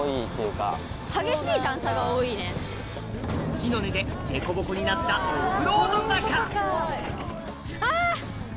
木の根でデコボコになったオフロード坂あ！